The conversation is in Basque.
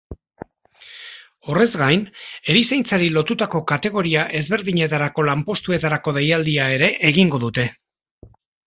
Horrez gain, erizaintzari lotutako kategoria ezberdinetarako lanpostuetarako deialdia ere egingo dute.